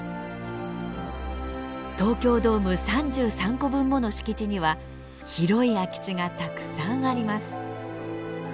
東京ドーム３３個分もの敷地には広い空き地がたくさんあります。